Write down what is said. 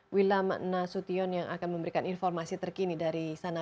wilam nasution yang akan memberikan informasi terkini dari sana